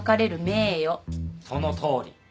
そのとおり。